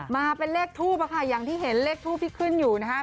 มาเป็นเลขทูปค่ะอย่างที่เห็นเลขทูปที่ขึ้นอยู่นะคะ